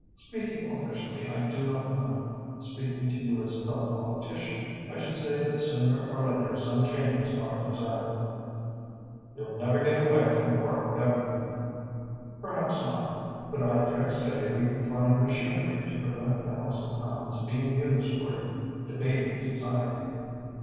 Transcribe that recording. "Speaking officially, I do not know. Speaking to you as a fellow politician, I should say that sooner or later some changes are desirable." "You'll never get away from party government." "Perhaps not, but I dare say we can find machinery to prevent the house of Commons being used for a debating society."